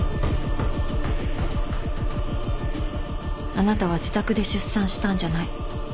あなたは自宅で出産したんじゃない。